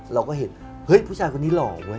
เราก็เห็นเฮ้ยผู้ชายคนนี้หล่อเว้